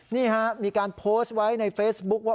นี่ฮะมีการโพสต์ไว้ในเฟซบุ๊คว่า